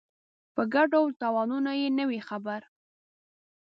په ګټو او تاوانونو یې نه وي خبر.